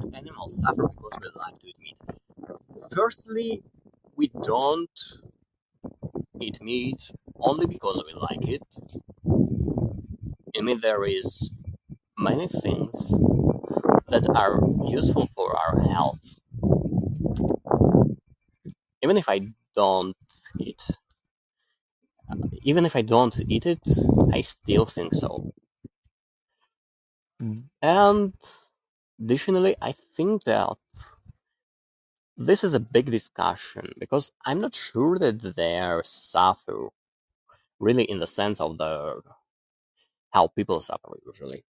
Do animals suffer because we like to eat meat? Firstly, we don't eat meat only because we like it. I mean, there is many things that are useful for our healths. Even if I don't eat... even if I don't eat it, I still think so. And, additionally, I think that this is a big discussion, because I'm not sure that they suffer, really in the sense of the... how people suffer, usually.